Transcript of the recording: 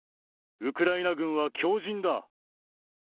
ウクライナ軍は強じんだ。